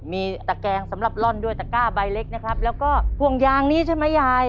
มีตะแกงสำหรับร่อนด้วยตะก้าใบเล็กนะครับแล้วก็พ่วงยางนี้ใช่ไหมยาย